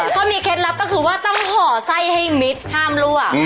เขามีเคล็ดลับก็คือว่าต้องห่อไส้ให้มิดห้ามลั่ว